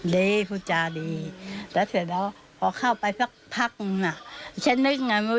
ดีพูดจาดีแต่เสร็จแล้วพอเข้าไปพักพักน่ะฉันนึกอย่างไรไม่รู้